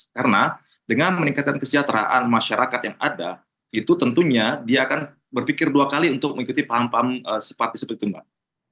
karena dengan meningkatkan kesejahteraan masyarakat yang ada itu tentunya dia akan berpikir dua kali untuk mengikuti paham paham simpatis seperti itu mbak